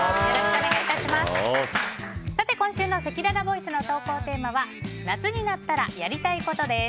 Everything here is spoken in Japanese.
今週のせきららボイスの投稿テーマは夏になったらやりたいことです。